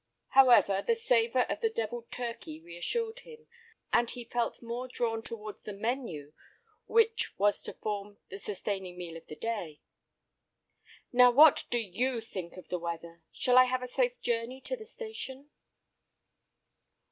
However, the savour of the devilled turkey reassured him, and he felt more drawn towards the menu which was to form the sustaining meal of the day. "Now, what do you think of the weather? Shall I have a safe journey to the station?"